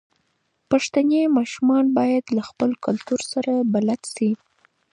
پښتني ماشومان بايد له خپل کلتور سره بلد شي.